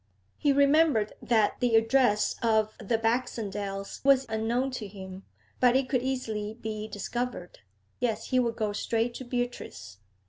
He remembered that the address of the Baxendales was unknown to him; but it could easily be discovered. Yes, he would go straight to Beatrice.